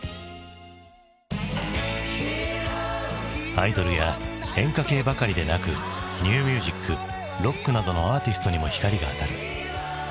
アイドルや演歌系ばかりでなくニューミュージックロックなどのアーティストにも光が当たる。